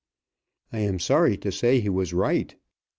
I am sorry to say he was right.